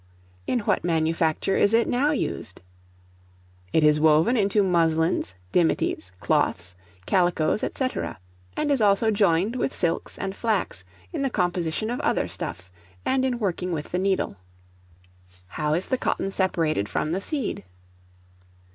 In what manufacture is it now used? It is woven into muslins, dimities, cloths, calicoes, &c. and is also joined with silks and flax, in the composition of other stuffs, and in working with the needle. How is the Cotton separated from the seed?